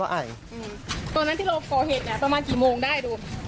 ประมาณกี่โมงได้